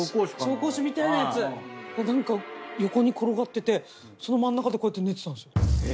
紹興酒みたいなやつが横に転がっててその真ん中でこうやって寝てたんですよ。